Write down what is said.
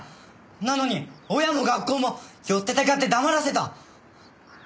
なのに親も学校もよってたかって黙らせた！